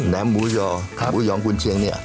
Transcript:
แหน่มหมูยออุหยองกุญเชียงเนี่ย